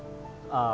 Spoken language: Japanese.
ああ